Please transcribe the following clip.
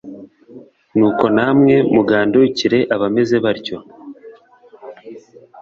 Nuko namwe mugandukire abameze batyo